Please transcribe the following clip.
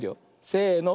せの。